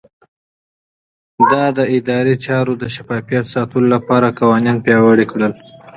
ده د ادارې چارو د شفافيت ساتلو لپاره قوانين پياوړي کړل.